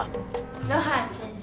露伴先生。